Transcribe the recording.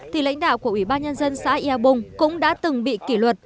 thì lãnh đạo của ủy ban nhân dân xã ea bùng cũng đã từng bị kỷ luật